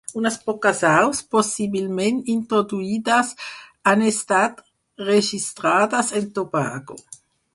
Unes poques aus, possiblement introduïdes, han estat registrades en Tobago.